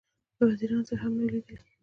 له وزیرانو سره هم نه وه لیدلې.